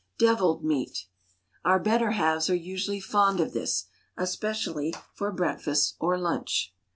DEVILED MEAT. Our better halves are usually fond of this, especially for breakfast or lunch.